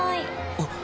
あっ。